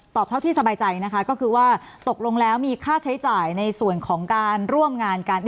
เท่าที่สบายใจนะคะก็คือว่าตกลงแล้วมีค่าใช้จ่ายในส่วนของการร่วมงานกัน